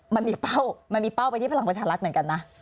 มันมีเป้ามันมีเป้าไปที่พลังประชารัฐเหมือนกันนะ